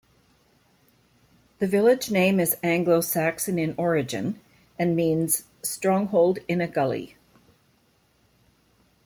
The village name is Anglo Saxon in origin, and means 'stronghold in a gully'.